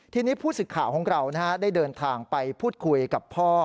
ทีนี้ผู้สึกข่าวของเราได้เดินทางไปพูดคุยกับพ่อ